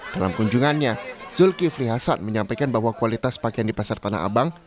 dalam kunjungannya zulkifli hasan menyampaikan bahwa kualitas pakaian di pasar tanah abang